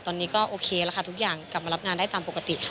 ตอนนี้ก็โอเคแล้วค่ะทุกอย่างกลับมารับงานได้ตามปกติค่ะ